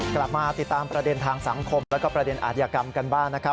กลับมาติดตามประเด็นทางสังคมแล้วก็ประเด็นอาธิกรรมกันบ้างนะครับ